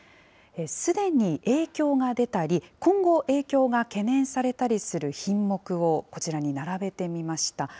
すでに影響が出たり、今後、影響が懸念されたりする品目をこちらに並べてみました。